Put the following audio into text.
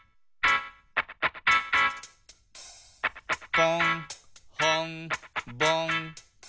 「ぽんほんぼん」